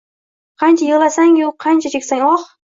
Qancha yig’lasang-u qancha cheksang oh;